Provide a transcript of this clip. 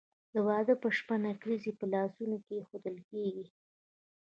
د واده په شپه نکریزې په لاسونو کیښودل کیږي.